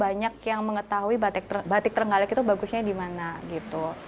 banyak yang mengetahui batik terenggalek itu bagusnya di mana gitu